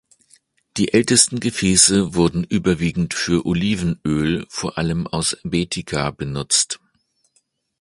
Die ältesten Gefäße wurden überwiegend für Olivenöl vor allem aus Baetica benutzt.